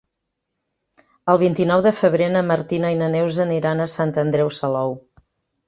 El vint-i-nou de febrer na Martina i na Neus aniran a Sant Andreu Salou.